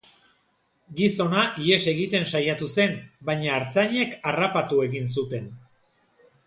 Gizona ihes egiten saiatu zen, baina ertzainek harrapatu egin zuten.